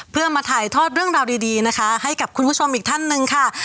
เพื่อมาถ่ายทอดเรื่องราวดีนะคะให้กับคุณผู้ชมอีกท่านหนึ่งค่ะ